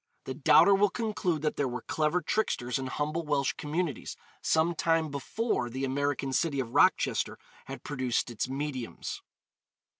The doubter will conclude that there were clever tricksters in humble Welsh communities some time before the American city of Rochester had produced its 'mediums.'